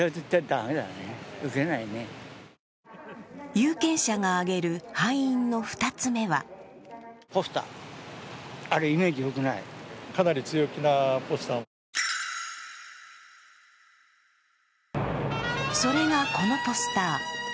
有権者が挙げる敗因の２つ目はそれがこのポスター。